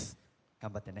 頑張ってね。